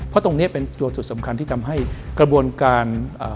เพราะตรงนี้เป็นตัวจุดสำคัญที่ทำให้กระบวนการ